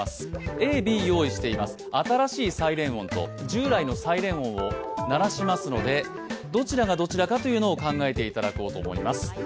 Ａ、Ｂ用意しています、新しいサイレン音と従来のサイレン音を鳴らしますので、どちらがどちらかというのを考えていただこうと思います。